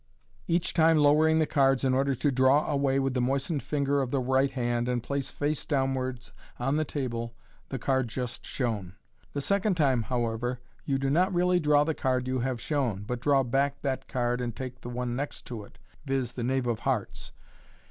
each time lowering the cards in order to draw away with the moistened finger of the right hand, and place face downwards on the table, the card just shown. The second time, however, you do not really draw the card you have shown, but draw back that card and take the one next to it — viz., the knave of hearts.